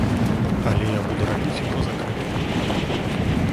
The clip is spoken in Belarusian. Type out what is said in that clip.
Але я буду рабіць яго закрытым.